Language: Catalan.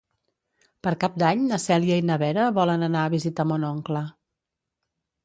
Per Cap d'Any na Cèlia i na Vera volen anar a visitar mon oncle.